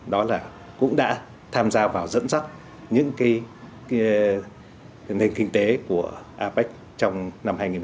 đó là cũng đã tham gia vào dẫn dắt những cái nền kinh tế của apec trong năm hai nghìn một mươi bảy